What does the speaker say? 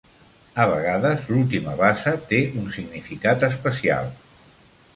A vegades l'última basa té un significat especial.